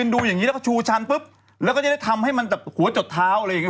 ดูอย่างนี้แล้วก็ชูชันปุ๊บแล้วก็จะได้ทำให้มันแบบหัวจดเท้าอะไรอย่างนี้